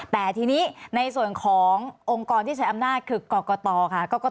แต่ทีนี้ในส่วนขององค์กรที่ใช้อำนาจคือกรกตค่ะ